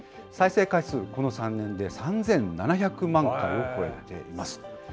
再生回数、この３年で３７００万回を超えています。